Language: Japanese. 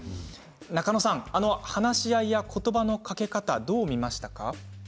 中野さん、話し合いやことばのかけ方、どう見ましたか。